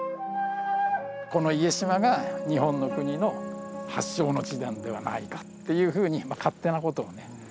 この家島が日本の国の発祥の地なんではないかっていうふうに勝手なことをね